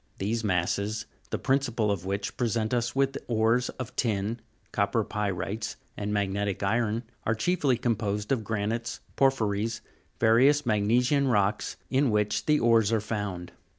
These masses, the principal of which present us with ores of tin, copper py'rite's, and magnetic iron, are chiefly composed of granites, porphyries, various mag nesian rocks, in which the ores are found.